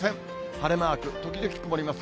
晴れマーク、時々曇ります。